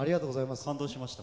感動しました。